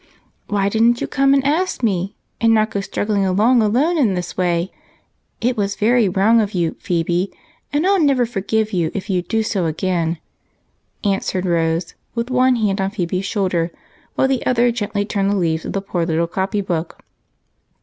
Why didn't you come and ask me, and not go struggling along alone in this way ? It was very wrong of you, Phebe, and I '11 never forgive you if you do so again," answered Rose, with one hand on Phebe's shoulder while the other gently turned the leaves of the poor little copy book.